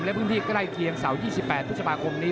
และพื้นที่ใกล้เคียงเสาร์๒๘พฤษภาคมนี้